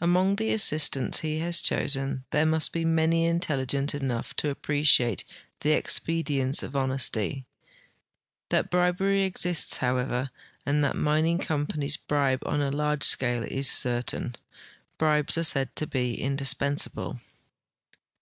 Among the assistants he has chosen there must be many intelligent enough to appreciate the expedienc}'' of honest3^ That bribery exists, however, and that mining companies bribe on a large scale is certain. Bribes are said to be indispensable.